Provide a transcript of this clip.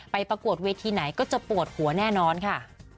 ประกวดเวทีไหนก็จะปวดหัวแน่นอนค่ะ